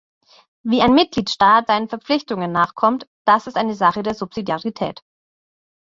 Wie ein Mitgliedstaat seinen Verpflichtungen nachkommt, das ist eine Sache der Subsidiarität.